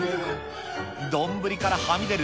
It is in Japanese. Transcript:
丼からはみ出る